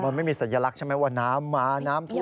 มันไม่มีสัญลักษณ์ใช่ไหมว่าน้ำมาน้ำท่วม